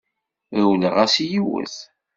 Rewleɣ-as i yiwet.